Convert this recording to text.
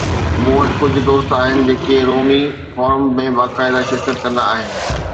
مون وٽ ڪجھ دوست آھن جيڪي رومي فورم ۾ باقاعده شرڪت ڪندا آھن.